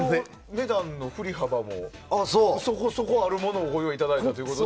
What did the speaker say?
値段のふり幅もそこそこあるものをご用意いただいたということで。